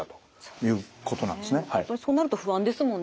やっぱりそうなると不安ですもんね。